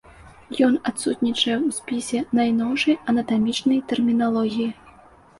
Ён адсутнічае ў спісе найноўшай анатамічнай тэрміналогіі.